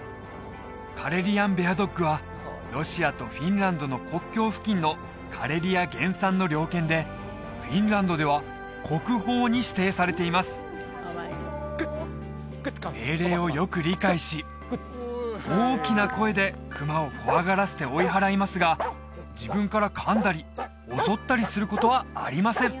カレリアンベアドッグはロシアとフィンランドの国境付近のカレリア原産の猟犬でフィンランドでは国宝に指定されています命令をよく理解し大きな声で熊を怖がらせて追い払いますが自分から噛んだり襲ったりすることはありません